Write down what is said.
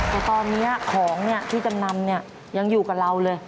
แต่ตอนนี้ของที่จำนำเนี่ยยังอยู่กับเราเลย